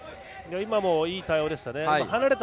今も、いい対応でした。